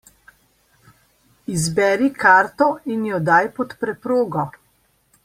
Izberi karto in jo daj pod preprogo.